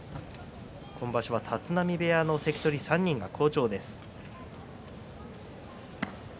今場所は立浪部屋の関取３人が好調です。